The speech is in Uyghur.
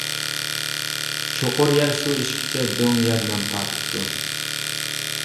چوقۇر يەر سۇ ئىچكىچە، دۆڭ يەر نەم تارتىپتۇ.